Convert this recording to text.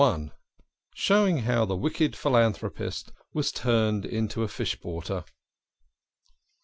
SHOWING HOW THE WICKED PHILANTHROPIST WAS TURNED INTO A FISH PORTER.